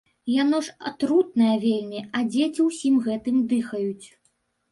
Яно ж атрутнае вельмі, а дзеці ўсім гэтым дыхаюць.